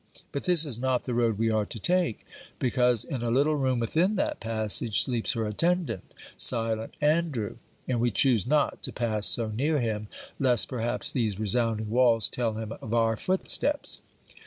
But this is not the road we are to take, because in a little room within that passage sleeps her attendant, silent Andrew; and we choose not to pass so near him, lest perhaps these resounding walls tell him of our footsteps.